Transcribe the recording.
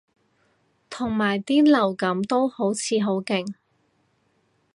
同埋啲流感都好似好勁